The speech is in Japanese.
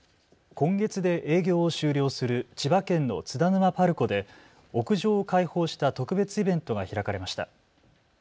今月で営業を終了する千葉県の津田沼パルコで屋上を開放した特別イベントが開かれました。